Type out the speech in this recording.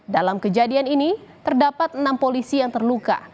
dalam kejadian ini terdapat enam polisi yang terluka